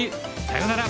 さようなら。